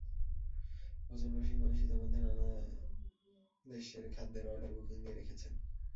ভোজন রসিক মানুষ ইতিমধ্যে নানা দেশের খাদ্যের অর্ডার বুকিং দিয়ে রেখেছেন।